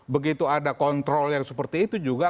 begitu ada kontrol yang seperti itu juga